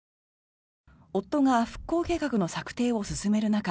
夫が復興計画の策定を進める中